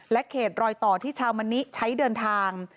เขตรอยต่อที่ชาวมะนิใช้เดินทาง